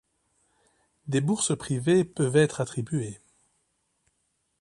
Des bourses privées peuvent être attribuées.